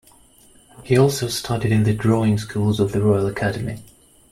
He also studied in the drawing schools of the Royal Academy.